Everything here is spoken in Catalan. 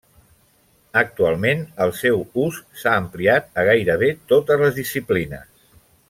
Actualment, el seu ús s'ha ampliat a gairebé totes les disciplines.